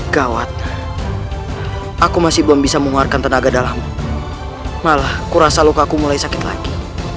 gawat aku masih belum bisa mengeluarkan tenaga dalam malah kurasa lukaku mulai sakit lagi